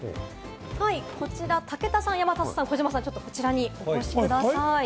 こちら武田さん、山里さん、児嶋さん、こちらへお越しください。